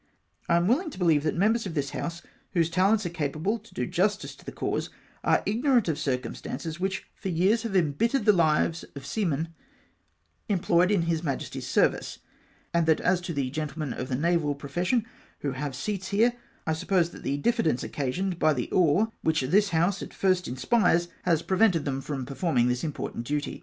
I am willing to believe that members of this House, whose talents are capable to do justice to the cause, are ignorant of circumstances which for years have embittered the lives of seamen employed in His Majesty's Service; and that as to the gentlemen of the naval profession who have seats here, I suppose that the diffidence occasioned by the awe which this House at first inspires, has prevented them from performing this important duty.